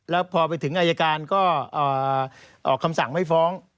แล้วพอไปถึงอายการก็ออกคำสั่งไม่ฟ้อง